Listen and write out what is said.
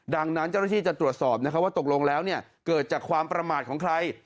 ดังนั้นเจ้าหน้าที่จะตรวจสอบว่าตกลงแล้วเกิดจากความประมาทของใคร